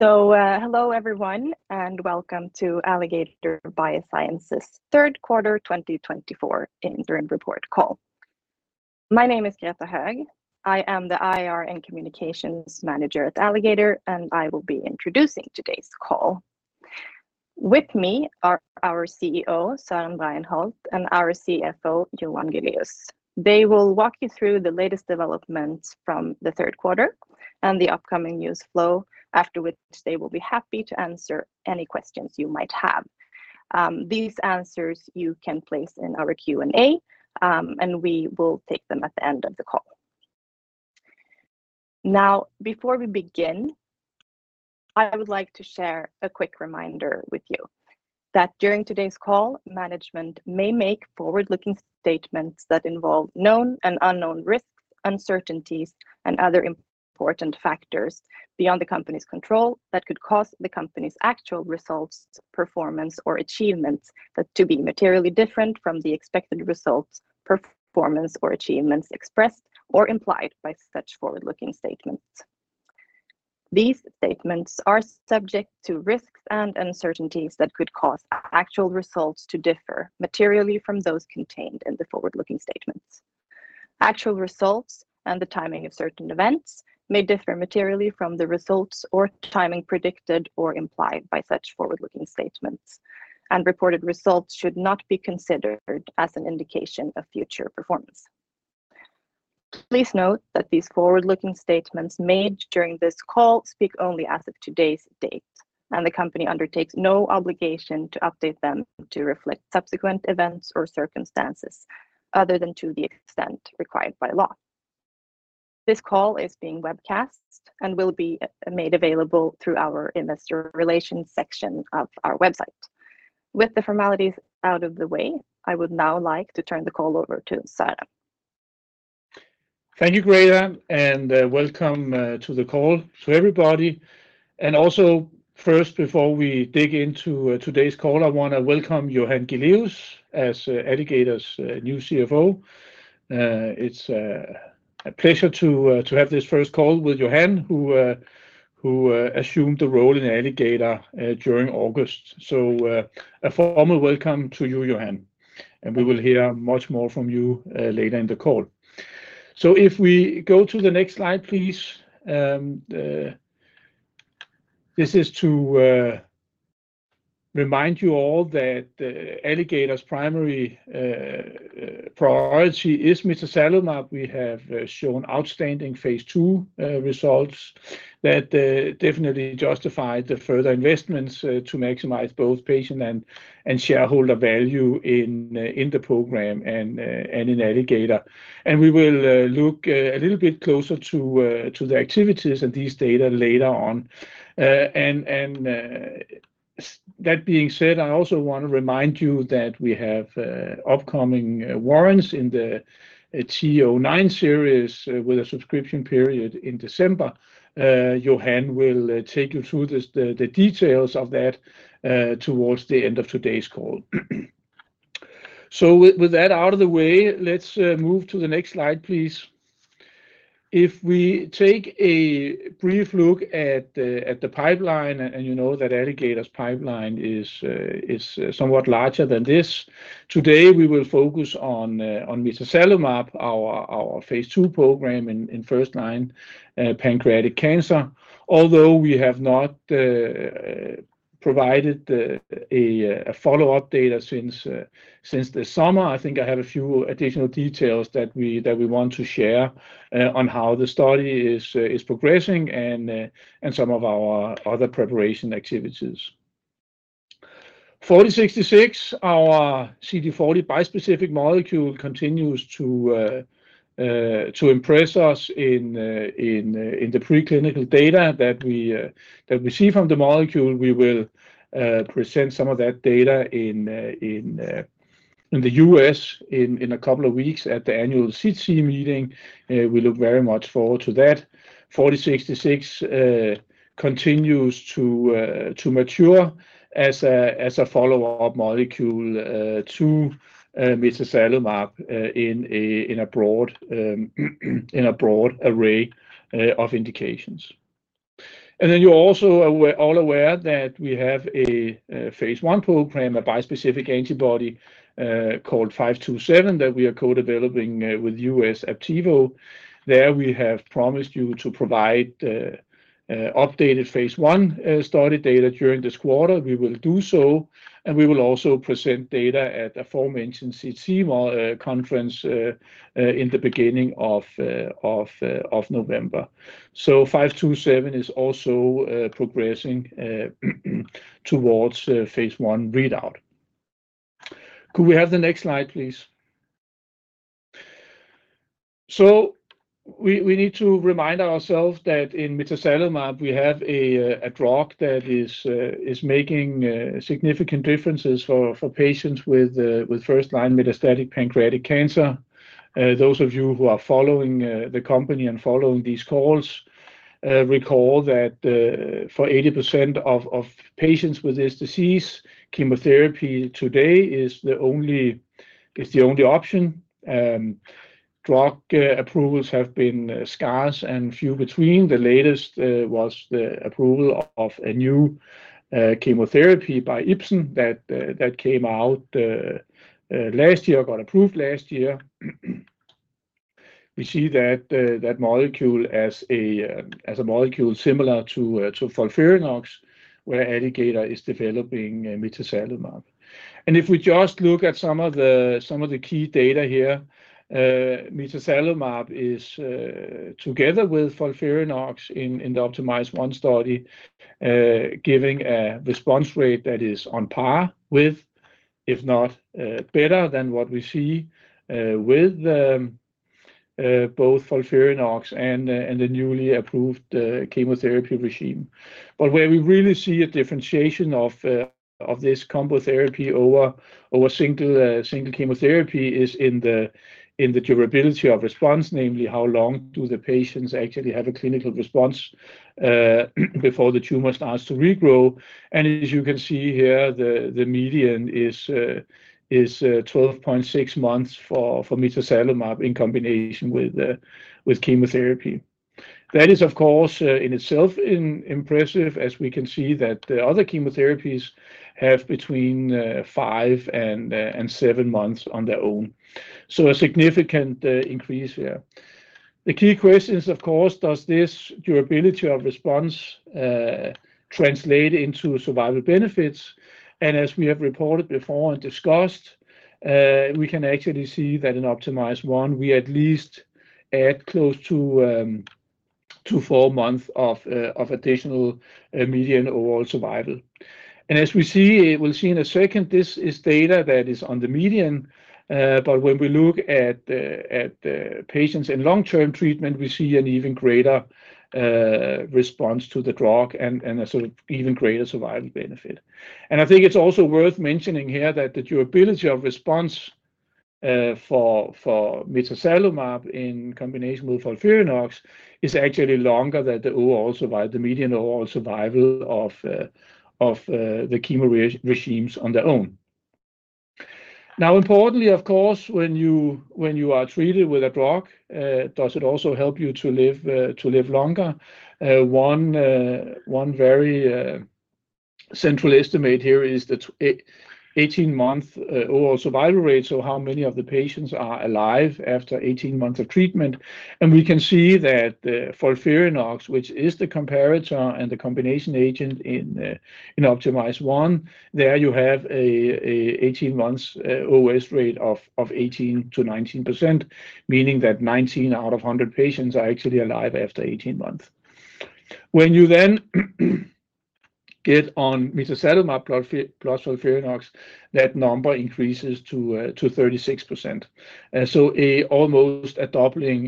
Hello everyone, and welcome to Alligator Bioscience's third quarter 2024 interim report call. My name is Greta Höög. I am the IR and Communications Manager at Alligator, and I will be introducing today's call. With me are our CEO, Søren Bregenholt, and our CFO, Johan Giléus. They will walk you through the latest developments from the third quarter and the upcoming news flow, after which they will be happy to answer any questions you might have. These answers you can place in our Q&A, and we will take them at the end of the call. Now, before we begin, I would like to share a quick reminder with you that during today's call, management may make forward-looking statements that involve known and unknown risks, uncertainties, and other important factors beyond the company's control that could cause the company's actual results, performance, or achievements to be materially different from the expected results, performance, or achievements expressed or implied by such forward-looking statements. These statements are subject to risks and uncertainties that could cause actual results to differ materially from those contained in the forward-looking statements. Actual results and the timing of certain events may differ materially from the results or timing predicted or implied by such forward-looking statements, and reported results should not be considered as an indication of future performance. Please note that these forward-looking statements made during this call speak only as of today's date, and the company undertakes no obligation to update them to reflect subsequent events or circumstances other than to the extent required by law. This call is being webcast and will be made available through our investor relations section of our website. With the formalities out of the way, I would now like to turn the call over to Søren. Thank you, Greta, and welcome to the call to everybody. Also, first, before we dig into today's call, I wanna welcome Johan Giléus as Alligator's new CFO. It's a pleasure to have this first call with Johan, who assumed the role in Alligator during August. A formal welcome to you, Johan, and we will hear much more from you later in the call. If we go to the next slide, please. This is to remind you all that Alligator's primary priority is mitazalimab. We have shown outstanding phase II results that definitely justify the further investments to maximize both patient and shareholder value in the program and in Alligator. And we will look a little bit closer to the activities and these data later on. And that being said, I also want to remind you that we have upcoming warrants in the TO9 series with a subscription period in December. Johan will take you through the details of that towards the end of today's call. So with that out of the way, let's move to the next slide, please. If we take a brief look at the pipeline, and you know that Alligator's pipeline is somewhat larger than this, today we will focus on mitazalimab, our phase II program in first-line pancreatic cancer. Although we have not provided a follow-up data since the summer, I think I have a few additional details that we want to share on how the study is progressing and some of our other preparation activities. 4066, our CD40 bispecific molecule, continues to impress us in the preclinical data that we see from the molecule. We will present some of that data in the US in a couple of weeks at the annual SITC meeting. We look very much forward to that. 4066 continues to mature as a follow-up molecule to mitazalimab in a broad array of indications. And then you're also all aware that we have a phase I program, a bispecific antibody called 527, that we are co-developing with U.S. Aptevo. There we have promised you to provide updated phase I study data during this quarter. We will do so, and we will also present data at the aforementioned SITC conference in the beginning of November. So 527 is also progressing towards phase I readout. Could we have the next slide, please? So we need to remind ourselves that in mitazalimab we have a drug that is making significant differences for patients with first-line metastatic pancreatic cancer. Those of you who are following the company and following these calls-... Recall that for 80% of patients with this disease, chemotherapy today is the only option. Drug approvals have been scarce and few between. The latest was the approval of a new chemotherapy by Ipsen that came out last year, got approved last year. We see that molecule as a molecule similar to FOLFIRINOX, where Alligator is developing mitazalimab. And if we just look at some of the key data here, mitazalimab is together with FOLFIRINOX in the OPTIMIZE-1 study, giving a response rate that is on par with, if not better than what we see with both FOLFIRINOX and the newly approved chemotherapy regimen. But where we really see a differentiation of this combo therapy over over single single chemotherapy, is in the durability of response, namely, how long do the patients actually have a clinical response before the tumor starts to regrow? And as you can see here, the median is 12.6 months for mitazalimab in combination with chemotherapy. That is, of course, in itself impressive, as we can see that the other chemotherapies have between five and seven months on their own. So a significant increase here. The key question is, of course, does this durability of response translate into survival benefits? As we have reported before and discussed, we can actually see that in OPTIMIZE-1, we at least add close to to four months of additional median overall survival. And as we'll see in a second, this is data that is on the median. But when we look at the patients in long-term treatment, we see an even greater response to the drug and a sort of even greater survival benefit. And I think it's also worth mentioning here that the durability of response for mitazalimab in combination with FOLFIRINOX is actually longer than the overall survival, the median overall survival of the chemo regimens on their own. Now, importantly, of course, when you are treated with a drug, does it also help you to live longer? One very central estimate here is the eighteen-month overall survival rate, so how many of the patients are alive after eighteen months of treatment, and we can see that the FOLFIRINOX, which is the comparator and the combination agent in OPTIMIZE-1, there you have an eighteen-month OS rate of 18%-19%, meaning that 19 out of 100 patients are actually alive after eighteen months. When you then get on mitazalimab plus FOLFIRINOX, that number increases to 36%. And so almost a doubling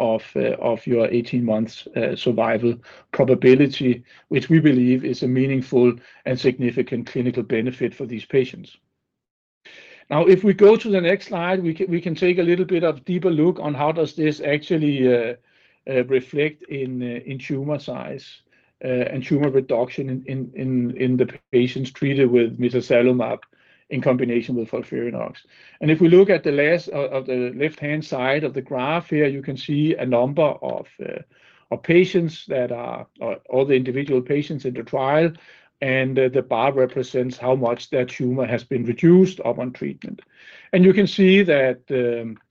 of your eighteen-month survival probability, which we believe is a meaningful and significant clinical benefit for these patients. Now, if we go to the next slide, we can take a little bit deeper look on how does this actually reflect in tumor size and tumor reduction in the patients treated with mitazalimab in combination with FOLFIRINOX. And if we look at the left-hand side of the graph here, you can see all the individual patients in the trial, and the bar represents how much that tumor has been reduced upon treatment. You can see that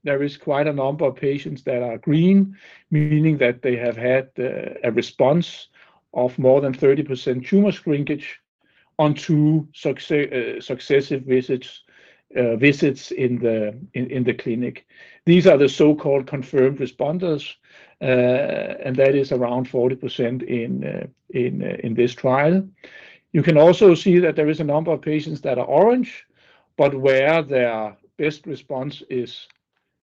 there is quite a number of patients that are green, meaning that they have had a response of more than 30% tumor shrinkage on two successive visits in the clinic. These are the so-called confirmed responders, and that is around 40% in this trial. You can also see that there is a number of patients that are orange, but where their best response is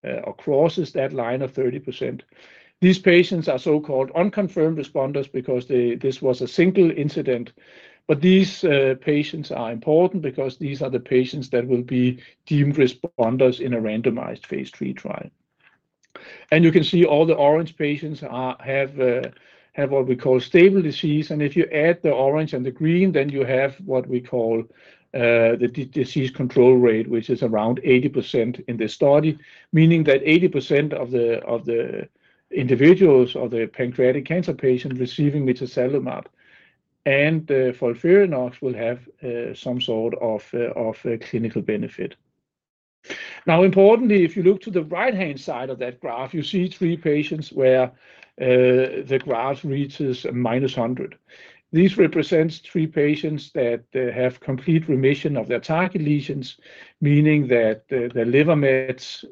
or crosses that line of 30%. These patients are so-called unconfirmed responders because they-- this was a single incident. But these patients are important because these are the patients that will be deemed responders in a randomized phase 3 trial. You can see all the orange patients have what we call stable disease, and if you add the orange and the green, then you have what we call the disease control rate, which is around 80% in this study. Meaning that 80% of the individuals or the pancreatic cancer patient receiving mitazalimab and FOLFIRINOX will have some sort of clinical benefit. Now, importantly, if you look to the right-hand side of that graph, you see three patients where the graph reaches minus 100. This represents three patients that have complete remission of their target lesions, meaning that their liver mets,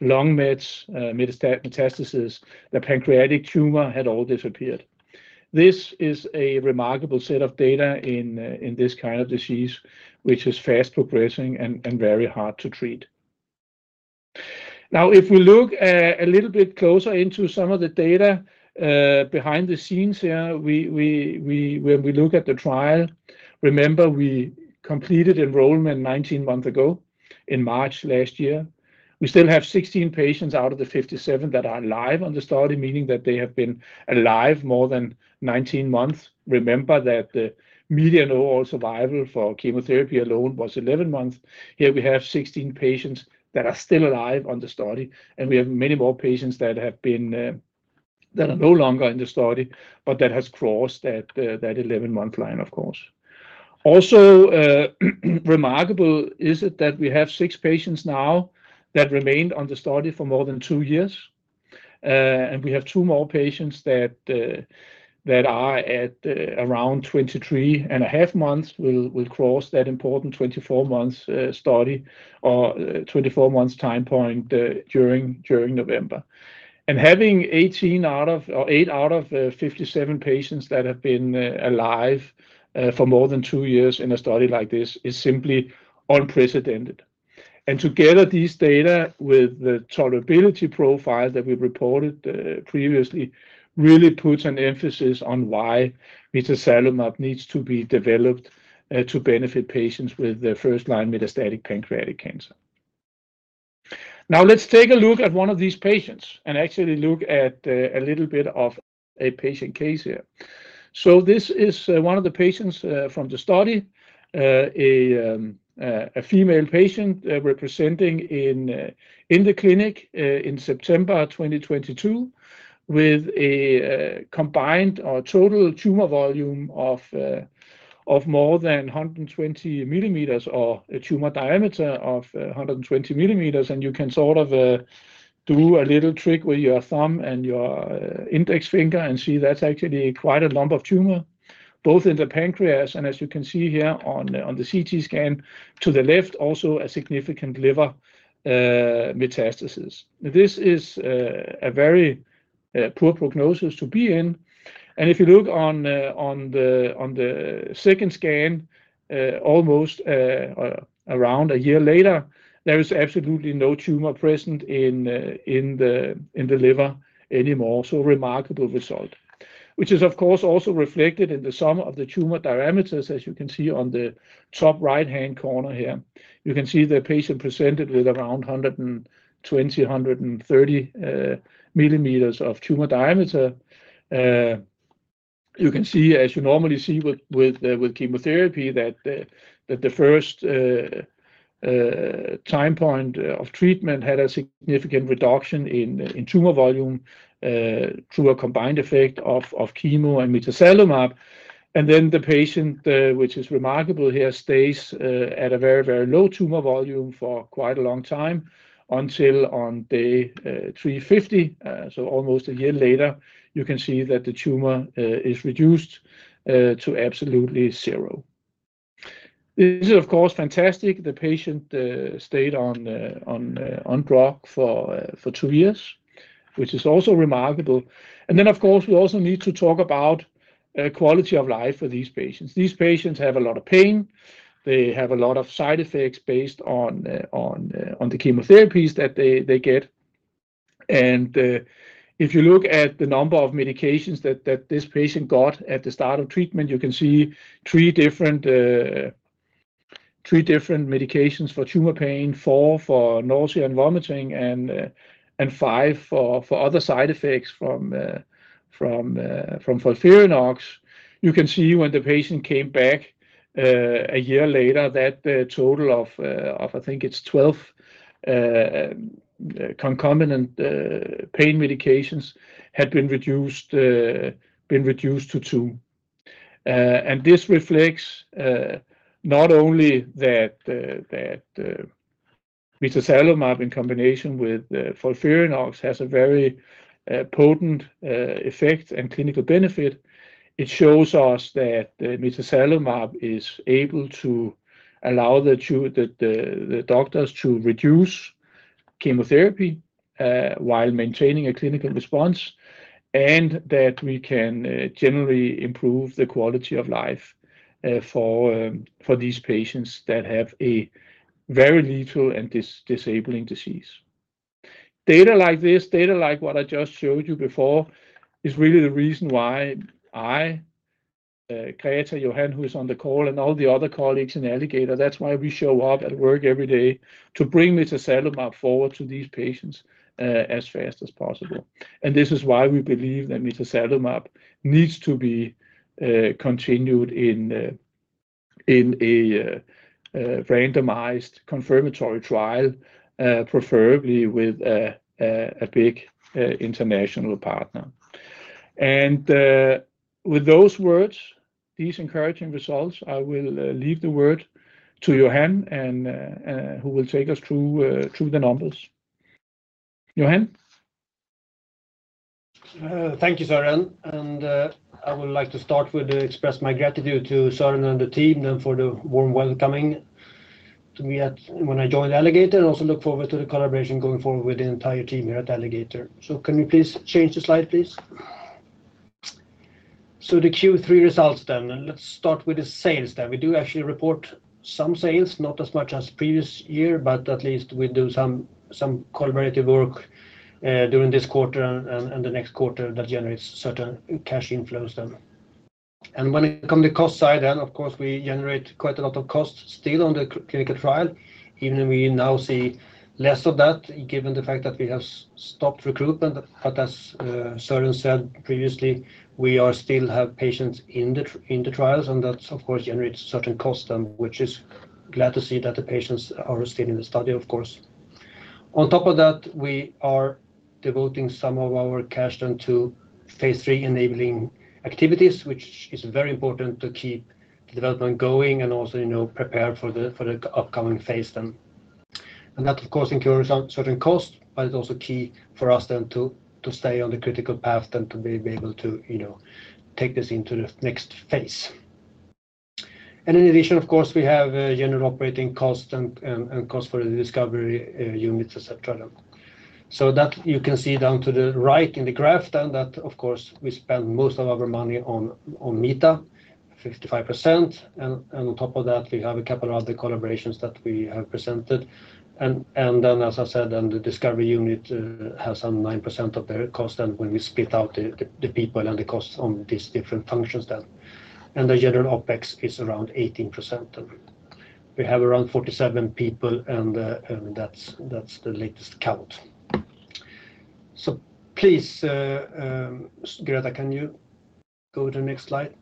lung mets, metastasis, the pancreatic tumor had all disappeared. This is a remarkable set of data in this kind of disease, which is fast progressing and very hard to treat. Now, if we look a little bit closer into some of the data behind the scenes here, we, when we look at the trial, remember we completed enrollment 19 months ago in March last year. We still have 16 patients out of the 57 that are alive on the study, meaning that they have been alive more than 19 months. Remember that the median overall survival for chemotherapy alone was 11 months. Here we have 16 patients that are still alive on the study, and we have many more patients that have been that are no longer in the study, but that has crossed that that 11-month line, of course. Also, remarkable is it that we have six patients now that remained on the study for more than two years. And we have two more patients that are at around twenty-three and a half months that will cross that important twenty-four months time point during November. And having eight out of fifty-seven patients that have been alive for more than two years in a study like this is simply unprecedented. And together, these data with the tolerability profile that we reported previously really puts an emphasis on why mitazalimab needs to be developed to benefit patients with the first-line metastatic pancreatic cancer. Now, let's take a look at one of these patients and actually look at a little bit of a patient case here. This is one of the patients from the study. A female patient presenting in the clinic in September 2022, with a combined or total tumor volume of more than one hundred and twenty millimeters, or a tumor diameter of one hundred and twenty millimeters. You can sort of do a little trick with your thumb and your index finger and see that's actually quite a lump of tumor, both in the pancreas, and as you can see here on the CT scan to the left, also a significant liver metastasis. This is a very poor prognosis to be in, and if you look on the second scan, almost around a year later, there is absolutely no tumor present in the liver anymore, so a remarkable result, which is, of course, also reflected in the sum of the tumor diameters, as you can see on the top right-hand corner here. You can see the patient presented with around one hundred and twenty, one hundred and thirty millimeters of tumor diameter. You can see, as you normally see with chemotherapy, that the first time point of treatment had a significant reduction in tumor volume through a combined effect of chemo and mitazalimab. And then the patient, which is remarkable here, stays at a very, very low tumor volume for quite a long time, until on day 350, so almost a year later, you can see that the tumor is reduced to absolutely zero. This is, of course, fantastic. The patient stayed on drug for two years, which is also remarkable. And then, of course, we also need to talk about quality of life for these patients. These patients have a lot of pain. They have a lot of side effects based on the chemotherapies that they get. If you look at the number of medications that this patient got at the start of treatment, you can see three different medications for tumor pain, four for nausea and vomiting, and five for other side effects from FOLFIRINOX. You can see when the patient came back a year later, that the total of I think it's twelve concomitant pain medications had been reduced to two. This reflects not only that mitazalimab in combination with FOLFIRINOX has a very potent effect and clinical benefit. It shows us that mitazalimab is able to allow the doctors to reduce chemotherapy while maintaining a clinical response, and that we can generally improve the quality of life for these patients that have a very lethal and disabling disease. Data like this, data like what I just showed you before, is really the reason why I care, Johan, who is on the call, and all the other colleagues in Alligator, that's why we show up at work every day, to bring mitazalimab forward to these patients as fast as possible. And this is why we believe that mitazalimab needs to be continued in a randomized confirmatory trial, preferably with a big international partner. With those words, these encouraging results, I will leave the word to Johan, who will take us through the numbers. Johan? Thank you, Søren. And I would like to start with express my gratitude to Søren and the team, and for the warm welcoming to me when I joined Alligator, and also look forward to the collaboration going forward with the entire team here at Alligator. Can we please change the slide? The Q3 results. Let's start with the sales. We actually report some sales, not as much as previous year, but at least we do some collaborative work during this quarter and the next quarter that generates certain cash inflows. And when it come to cost side, then of course, we generate quite a lot of costs still on the clinical trial, even we now see less of that, given the fact that we have stopped recruitment. As Søren said previously, we are still have patients in the trials, and that, of course, generates certain cost, which we're glad to see that the patients are still in the study, of course. On top of that, we are devoting some of our cash then to phase 3 enabling activities, which is very important to keep the development going and also, you know, prepared for the, for the upcoming phase then. And that, of course, incurs some certain costs, but it's also key for us then to stay on the critical path then to be able to, you know, take this into the next phase. And in addition, of course, we have a general operating cost and cost for the discovery units, et cetera. So that you can see down to the right in the graph, then that, of course, we spend most of our money on mita, 65%. And on top of that, we have a couple of other collaborations that we have presented. And then, as I said, the discovery unit has some 9% of the cost, and when we split out the people and the costs on these different functions then. And the general OpEx is around 18%, and we have around 47 people, and that's the latest count. So please, Greta, can you go to the next slide?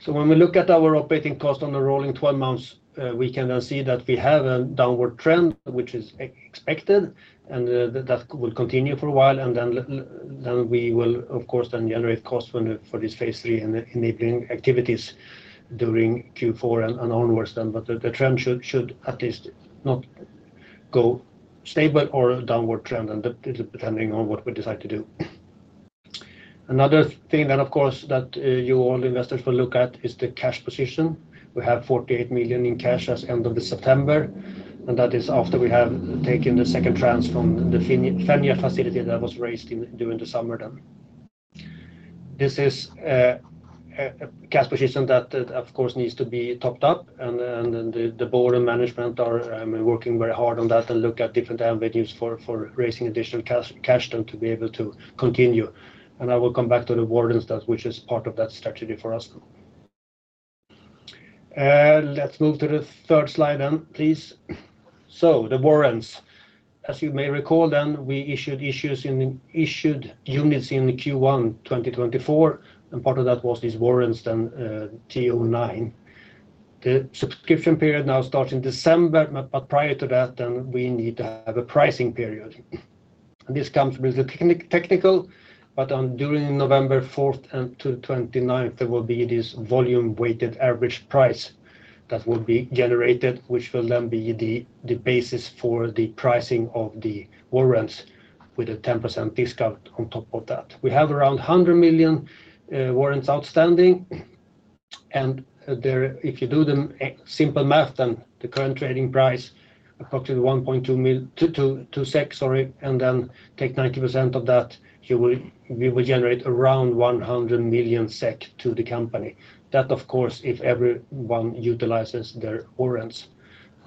So when we look at our operating cost on the rolling twelve months, we can then see that we have a downward trend, which is expected, and that will continue for a while. Then we will, of course, generate costs for this phase 3 enabling activities during Q4 and onwards. The trend should at least not go stable or downward trend, and that depending on what we decide to do. Another thing that you all investors will look at is the cash position. We have 48 million in cash as of the end of September, and that is after we have taken the second tranche of the Fenja facility that was raised during the summer. This is a cash position that needs to be topped up, and the board and management are working very hard on that and look at different avenues for raising additional cash to be able to continue. I will come back to the warrants that which is part of that strategy for us. Let's move to the third slide then, please. The warrants, as you may recall, we issued units in Q1 2024, and part of that was these warrants, TO9. The subscription period now starts in December, but prior to that, we need to have a pricing period. This comes with the technical, but during November fourth to twenty-ninth, there will be this volume-weighted average price that will be generated, which will then be the basis for the pricing of the warrants with a 10% discount on top of that. We have around 100 million warrants outstanding, and there, if you do the simple math, then the current trading price, approximately 1.22 SEK, sorry, and then take 90% of that, you will, we will generate around 100 million SEK to the company. That, of course, if everyone utilizes their warrants.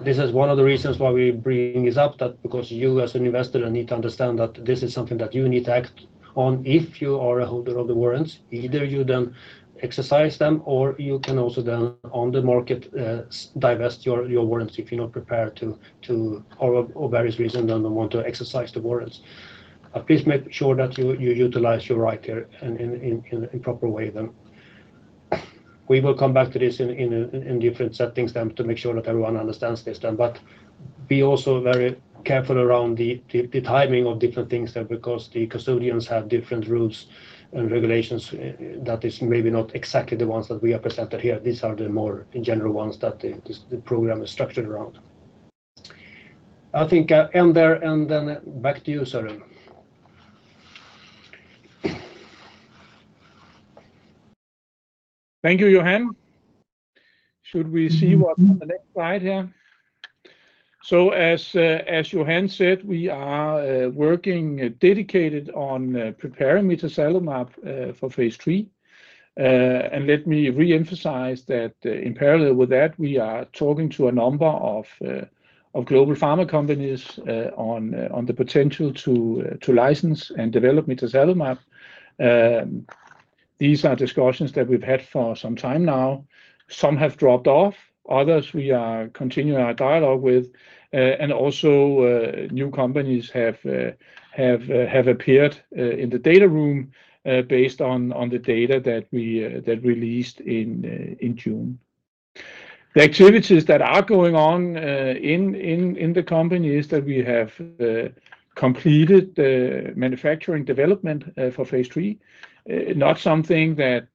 This is one of the reasons why we bring this up, that because you, as an investor, need to understand that this is something that you need to act on if you are a holder of the warrants. Either you then exercise them, or you can also then, on the market, divest your warrants if you're not prepared to, or various reasons, then want to exercise the warrants. But please make sure that you utilize your right here in a proper way then. We will come back to this in a different settings then to make sure that everyone understands this then. But also be very careful around the timing of different things then, because the custodians have different rules and regulations that is maybe not exactly the ones that we have presented here. These are the more general ones that the program is structured around. I think I end there, and then back to you, Søren. Thank you, Johan. Should we see what's on the next slide here? So as Johan said, we are working dedicated on preparing mitazalimab for phase 3. And let me reemphasize that, in parallel with that, we are talking to a number of global pharma companies on the potential to license and develop mitazalimab. These are discussions that we've had for some time now. Some have dropped off, others we are continuing our dialogue with, and also new companies have appeared in the data room based on the data that we released in June. The activities that are going on in the company is that we have completed the manufacturing development for phase 3. Not something that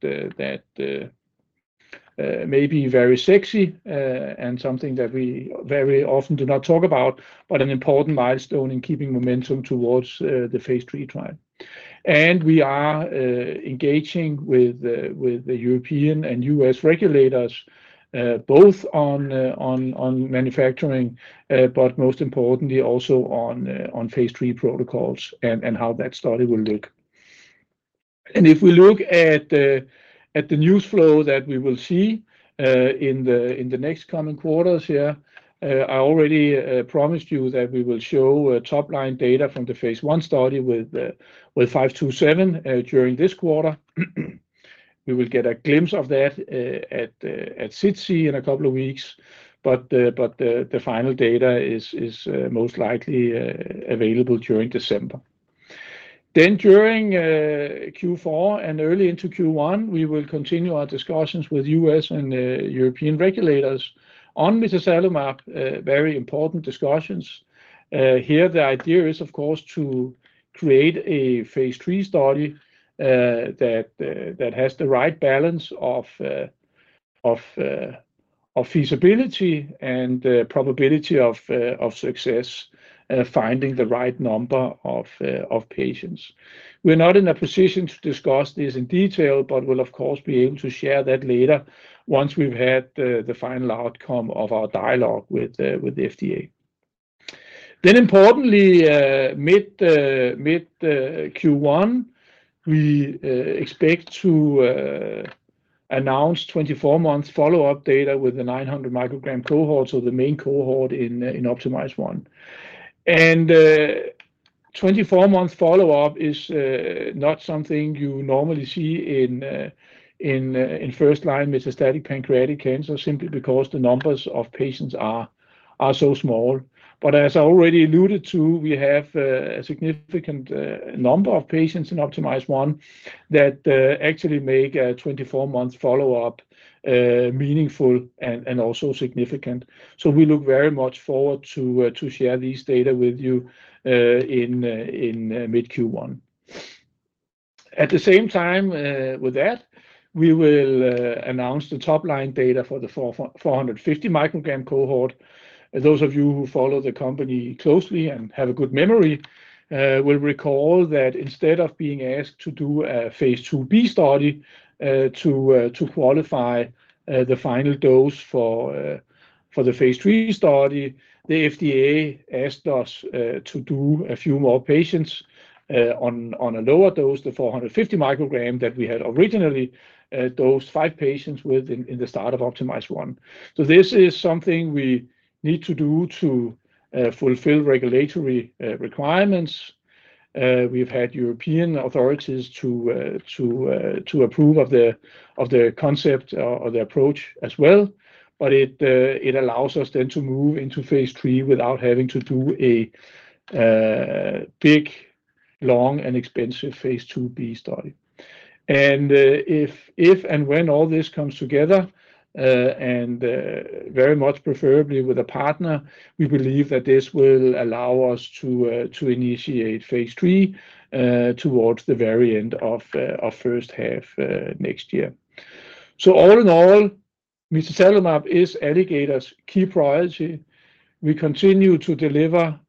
may be very sexy, and something that we very often do not talk about, but an important milestone in keeping momentum towards the phase 3 trial, and we are engaging with the European and U.S. regulators, both on manufacturing, but most importantly, also on phase 3 protocols and how that study will look, and if we look at the news flow that we will see in the next coming quarters here, I already promised you that we will show top line data from the phase one study with 527 during this quarter. We will get a glimpse of that at SITC in a couple of weeks, but the final data is most likely available during December. Then during Q4 and early into Q1, we will continue our discussions with U.S. and European regulators on mitazalimab, very important discussions. Here the idea is, of course, to create a phase three study that has the right balance of feasibility and probability of success, finding the right number of patients. We're not in a position to discuss this in detail, but we'll of course be able to share that later once we've had the final outcome of our dialogue with the FDA. Importantly, mid Q1, we expect to announce 24-month follow-up data with the 900-microgram cohort, so the main cohort in OPTIMIZE-1. 24-month follow-up is not something you normally see in first-line metastatic pancreatic cancer, simply because the numbers of patients are so small. As I already alluded to, we have a significant number of patients in OPTIMIZE-1 that actually make a 24-month follow-up meaningful and also significant. We look very much forward to share this data with you in mid-Q1. At the same time, with that, we will announce the top-line data for the 450-microgram cohort. Those of you who follow the company closely and have a good memory will recall that instead of being asked to do a phase 2b study to qualify the final dose for the phase 3 study, the FDA asked us to do a few more patients on a lower dose, the 450 microgram, that we had originally dosed five patients with in the start of OPTIMIZE-1. So this is something we need to do to fulfill regulatory requirements. We've had European authorities to approve of the concept or the approach as well, but it allows us then to move into phase 3 without having to do a big, long, and expensive phase 2b study. If and when all this comes together, and very much preferably with a partner, we believe that this will allow us to initiate phase three towards the very end of the first half next year. So all in all, mitazalimab is Alligator's key priority. We continue to deliver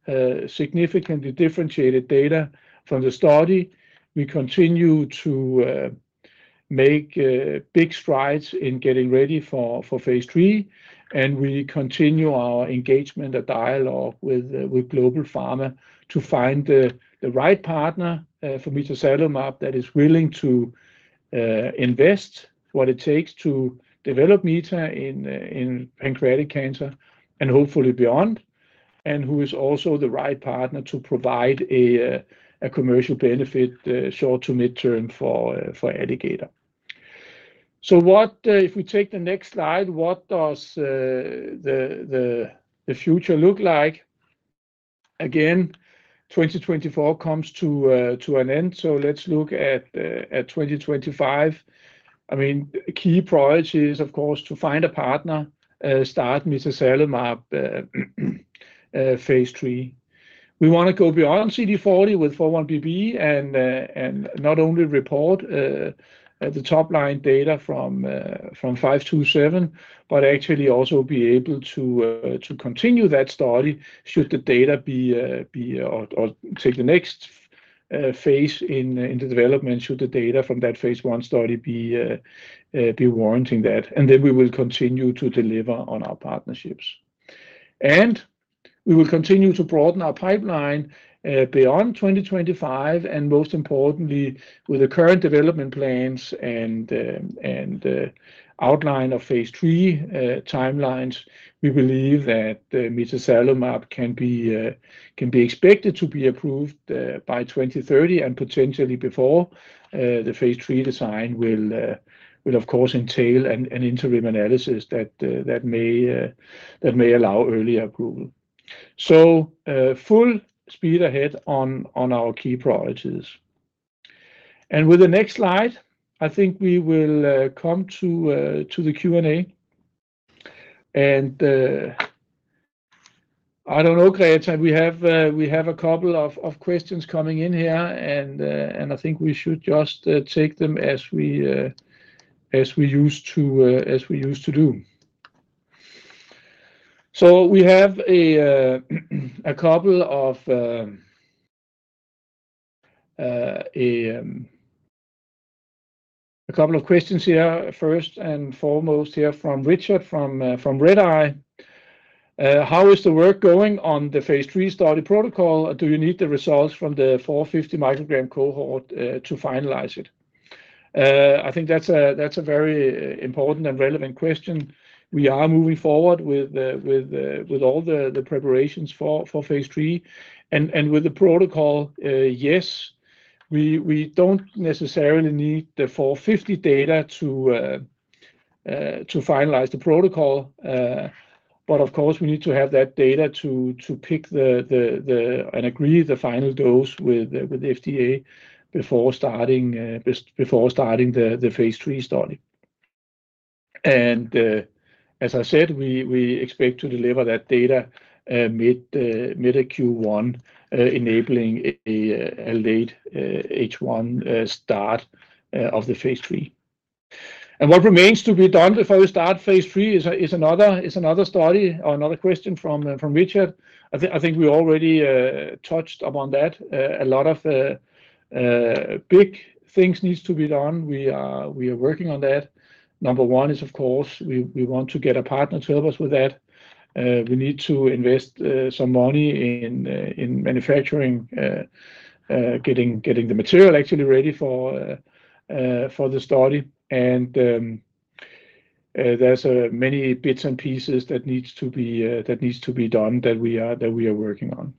significantly differentiated data from the study. We continue to make big strides in getting ready for phase three, and we continue our engagement and dialogue with global pharma to find the right partner for mitazalimab that is willing to invest what it takes to develop mitazalimab in pancreatic cancer and hopefully beyond, and who is also the right partner to provide a commercial benefit short to mid-term for Alligator. So what if we take the next slide, what does the future look like? Again, twenty twenty-four comes to an end, so let's look at twenty twenty-five. I mean, key priority is, of course, to find a partner, start mitazalimab, phase three. We want to go beyond CD40 with 4-1BB and not only report the top line data from five two seven, but actually also be able to continue that study should the data be, or take the next phase in the development, should the data from that phase one study be warranting that. And then we will continue to deliver on our partnerships. We will continue to broaden our pipeline beyond 2025, and most importantly, with the current development plans and outline of phase three timelines, we believe that mitazalimab can be expected to be approved by 2030 and potentially before. The phase three design will of course entail an interim analysis that may allow early approval. So full speed ahead on our key priorities. With the next slide, I think we will come to the Q&A. I don't know, Greta, we have a couple of questions coming in here, and I think we should just take them as we used to do. So we have a couple of questions here. First and foremost, here from Richard, from Redeye. "How is the work going on the phase 3 study protocol? Do you need the results from the 450 microgram cohort to finalize it?" I think that's a very important and relevant question. We are moving forward with all the preparations for phase 3. And with the protocol, yes, we don't necessarily need the 450 data to finalize the protocol. But of course, we need to have that data to pick the and agree the final dose with the FDA before starting the phase 3 study. And as I said, we expect to deliver that data mid Q1, enabling a late H1 start of the phase three. "And what remains to be done before we start phase three?" Is another study or another question from Richard. I think we already touched upon that. A lot of big things needs to be done. We are working on that. Number one is, of course, we want to get a partner to help us with that. We need to invest some money in manufacturing, getting the material actually ready for the study. There's many bits and pieces that needs to be done that we are working on.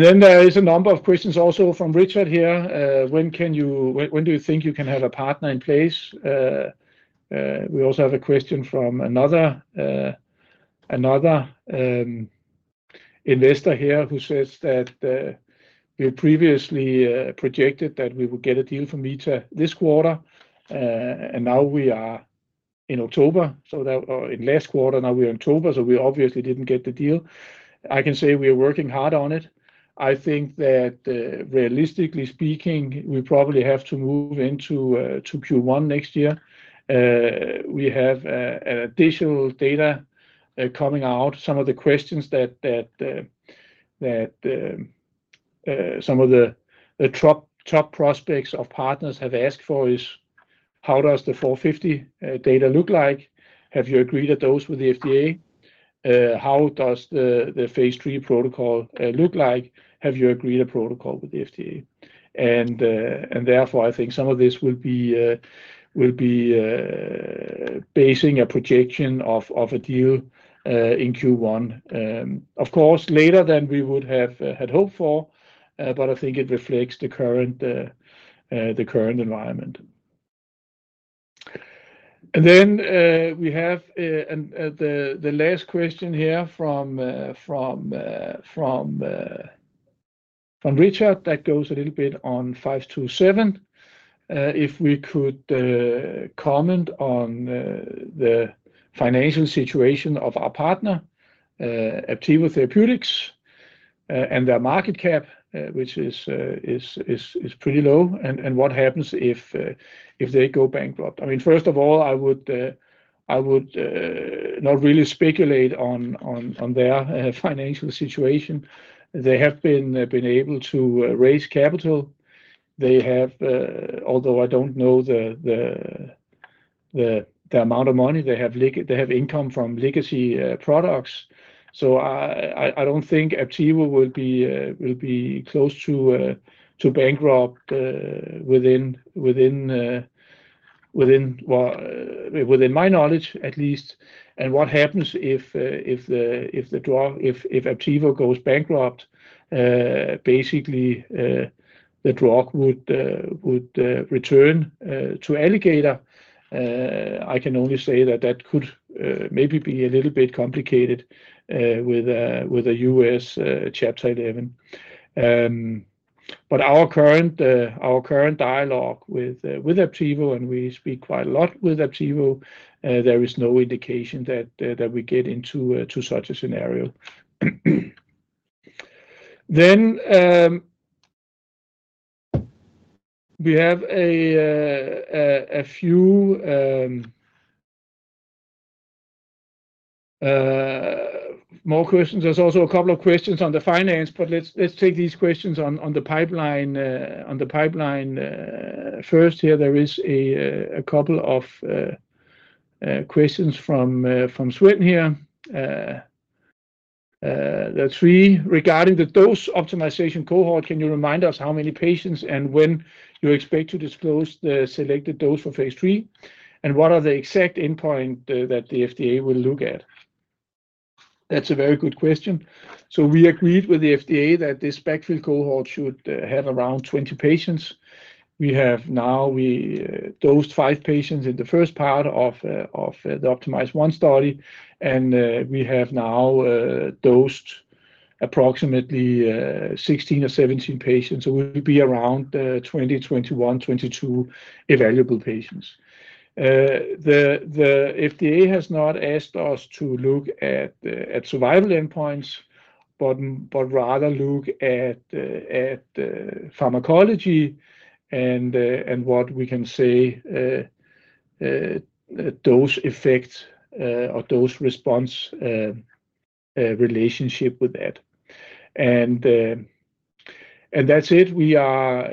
Then there is a number of questions also from Richard here. "When can you... When do you think you can have a partner in place?" We also have a question from another investor here, who says that we previously projected that we would get a deal for mitazalimab this quarter. Now we are in October, so or in last quarter, now we're in October, so we obviously didn't get the deal. I can say we are working hard on it. I think that, realistically speaking, we probably have to move into Q1 next year. We have additional data coming out. Some of the questions that some of the top prospects of partners have asked for is: How does the 450 data look like? Have you agreed on those with the FDA? How does the phase 3 protocol look like? Have you agreed a protocol with the FDA? And therefore, I think some of this will be basing a projection of a deal in Q1. Of course, later than we would have had hoped for, but I think it reflects the current environment. And then we have the last question here from Richard, that goes a little bit on 527. If we could comment on the financial situation of our partner, Aptevo Therapeutics, and their market cap, which is pretty low, and what happens if they go bankrupt? I mean, first of all, I would not really speculate on their financial situation. They have been able to raise capital. They have... Although I don't know the amount of money, they have income from legacy products. So I don't think Aptevo will be close to bankrupt within my knowledge at least. And what happens if the drug, if Aptevo goes bankrupt? Basically, the drug would return to Alligator. I can only say that that could maybe be a little bit complicated with the U.S. Chapter Seven. But our current dialogue with Aptevo, and we speak quite a lot with Aptevo, there is no indication that we get into such a scenario. Then we have a few more questions. There's also a couple of questions on the finance, but let's take these questions on the pipeline first here. There is a couple of questions from Sweden here. There are three. Regarding the dose optimization cohort, can you remind us how many patients and when you expect to disclose the selected dose for phase 3, and what are the exact endpoint that the FDA will look at?" That's a very good question. So we agreed with the FDA that the dose optimization cohort should have around 20 patients. We have now dosed five patients in the first part of the OPTIMIZE-1 study, and we have now dosed approximately 16 or 17 patients, so we'll be around 20, 21, 22 evaluable patients. The FDA has not asked us to look at survival endpoints, but rather look at pharmacology and what we can say dose effect or dose response a relationship with that. And that's it. We are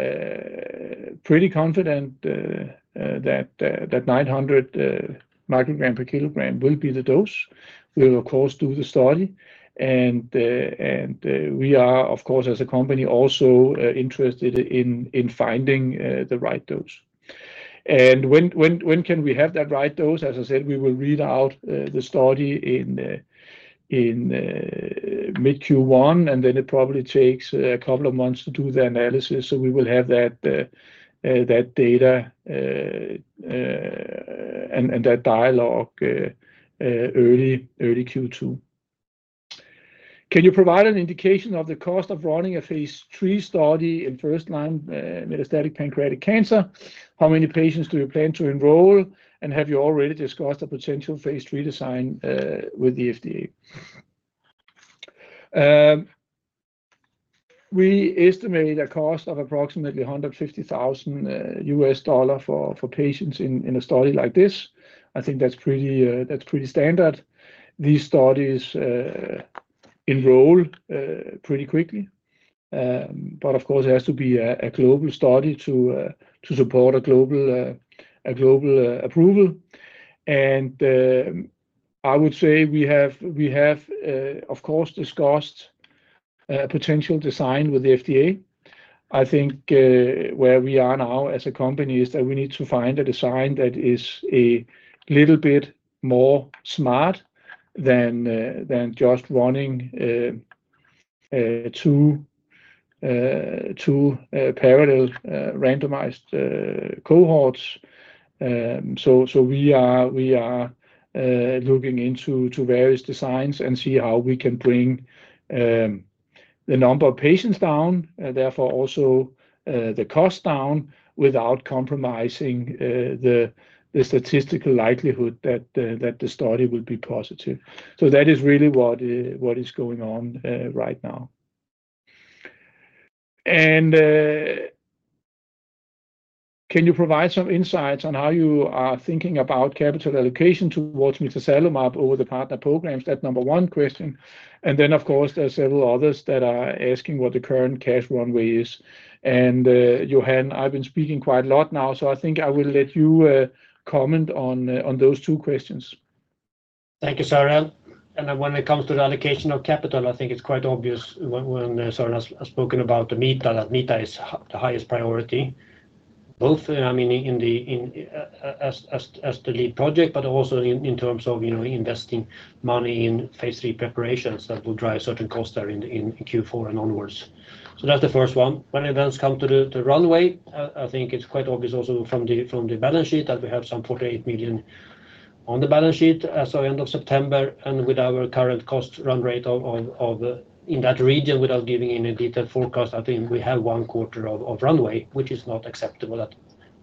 pretty confident that 900 microgram per kilogram will be the dose. We will, of course, do the study, and we are, of course, as a company, also interested in finding the right dose. And when can we have that right dose? As I said, we will read out the study in mid Q1, and then it probably takes a couple of months to do the analysis, so we will have that data and that dialogue early Q2. Can you provide an indication of the cost of running a phase 3 study in first-line metastatic pancreatic cancer? How many patients do you plan to enroll, and have you already discussed a potential phase 3 design with the FDA? We estimate a cost of approximately $150,000 for patients in a study like this. I think that's pretty standard. These studies enroll pretty quickly. Of course, it has to be a global study to support a global approval. I would say we have of course discussed potential design with the FDA. I think where we are now as a company is that we need to find a design that is a little bit more smart than just running two parallel randomized cohorts. We are looking into various designs and see how we can bring the number of patients down, and therefore also the cost down, without compromising the statistical likelihood that the study will be positive. That is really what is going on right now. Can you provide some insights on how you are thinking about capital allocation towards mitazalimab over the partner programs? That's number one question, and then, of course, there are several others that are asking what the current cash runway is. Johan, I've been speaking quite a lot now, so I think I will let you comment on those two questions. Thank you, Søren. When it comes to the allocation of capital, I think it's quite obvious when Søren has spoken about the mitazalimab, that mitazalimab is the highest priority, both, I mean, in the as the lead project, but also in terms of, you know, investing money in phase 3 preparations that will drive certain costs there in Q4 and onwards. So that's the first one. When it does come to the runway, I think it's quite obvious also from the balance sheet, that we have some 48 million on the balance sheet as of end of September, and with our current cost run rate of in that region, without giving any detailed forecast, I think we have one quarter of runway, which is not acceptable,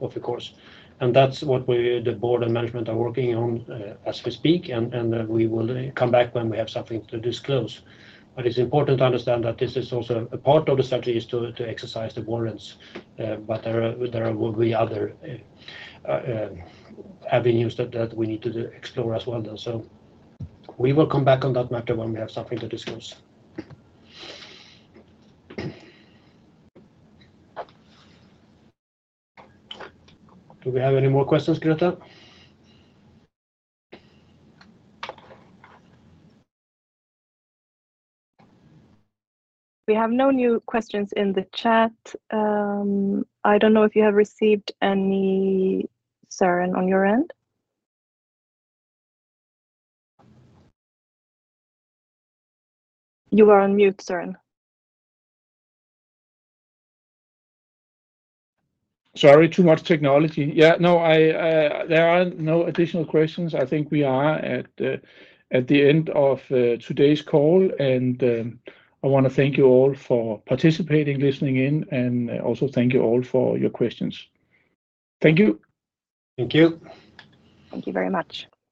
of course. And that's what we, the board and management, are working on as we speak, and we will come back when we have something to disclose. But it's important to understand that this is also a part of the strategy to exercise the warrants, but there will be other avenues that we need to explore as well, though. So we will come back on that matter when we have something to discuss. Do we have any more questions, Greta? We have no new questions in the chat. I don't know if you have received any, Søren, on your end. You are on mute, Søren. Sorry, too much technology. Yeah, no, I... There are no additional questions. I think we are at the end of today's call, and I want to thank you all for participating, listening in, and also thank you all for your questions. Thank you. Thank you. Thank you very much.